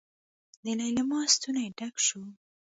د ليلما ستونی ډک شو.